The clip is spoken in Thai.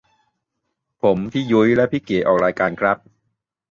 ผมพี่ยุ้ยและพี่เก๋ออกรายการครับ